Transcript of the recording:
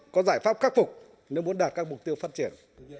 có giải pháp khắc phục nếu muốn đạt các mục tiêu phát triển